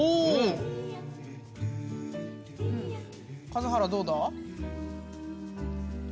数原どうだ？